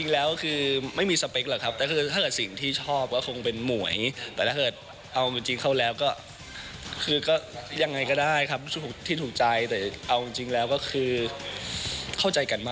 แล้วก็เปิดมาตลอดอยู่แล้วครับ